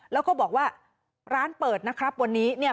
แล้วก็บอกว่าร้านเปิดนะครับวันนี้เนี่ย